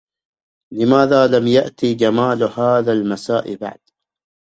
لماذا لم يأتِ جمال هذا المساء بعد؟